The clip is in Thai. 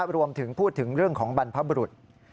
รวมถึงพูดถึงเรื่องของบรรพบรุษ